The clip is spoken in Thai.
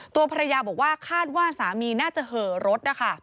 ตัวภรรยาบอกว่าคาดว่าสามีน่าจะเหอรถนะคะ